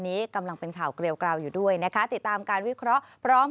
นี้กำลังเป็นข่าวเกลียวกราวอยู่ด้วยนะคะติดตามการวิเคราะห์พร้อม